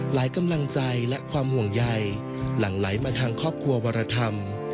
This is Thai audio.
กำลังใจและความห่วงใยหลังไหลมาทางครอบครัววรธรรม